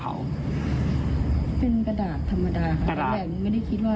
ข้างนอกคือ